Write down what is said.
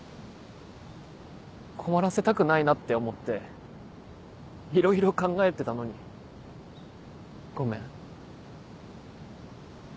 困らせたくないなって思っていろいろ考えてたのにごめん。